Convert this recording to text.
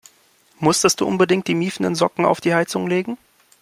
Musstest du unbedingt die miefenden Socken auf die Heizung legen?